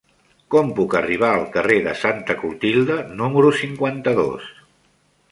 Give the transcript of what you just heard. Com puc arribar al carrer de Santa Clotilde número cinquanta-dos?